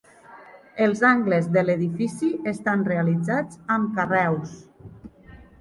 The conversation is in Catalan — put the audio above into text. Els angles de l'edifici estan realitzats amb carreus.